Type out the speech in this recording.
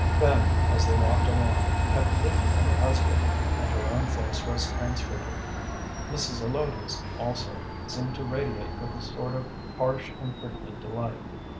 Fanny, as they walked along, kept looking at her husband, and her own face was transfigured. Mrs. Zelotes, also, seemed to radiate with a sort of harsh and prickly delight.